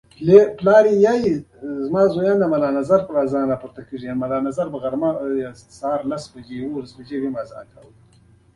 خو د مطلق حکم کولو ادعا ناسم او غیرعلمي کار دی